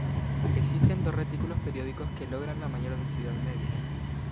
Existen dos retículos periódicos que logran la mayor densidad media.